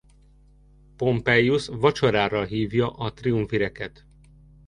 Pompeius vacsorára hívja a triumvireket.